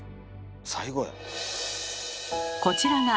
最後や。